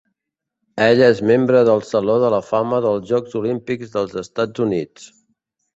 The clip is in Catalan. Ell és membre del Saló de la Fama dels Jocs Olímpics dels Estats Units.